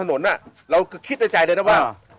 ชื่องนี้ชื่องนี้ชื่องนี้ชื่องนี้ชื่องนี้ชื่องนี้